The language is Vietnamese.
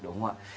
đúng không ạ